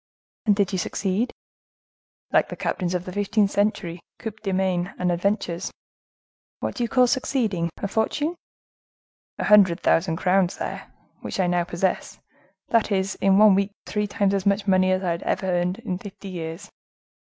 "And did you succeed?" "Like the captains of the fifteenth century, coups de main and adventures." "What do you call succeeding?—a fortune?" "A hundred thousand crowns, sire, which I now possess—that is, in one week three times as much money as I ever had in fifty years."